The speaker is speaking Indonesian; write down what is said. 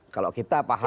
kalau kita paham